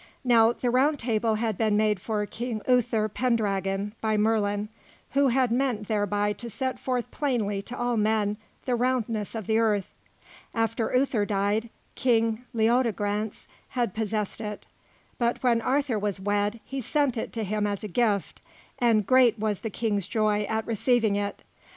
Now the Round Table had been made for King Uther Pendragon by Merlin, who had meant thereby to set forth plainly to all men the roundness of the earth. After Uther died, King Leodegrance had possessed it; but when Arthur was wed, he sent it to him as a gift, and great was the King's joy at receiving it.